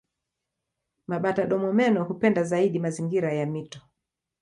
Mabata-domomeno hupenda zaidi mazingira ya mito.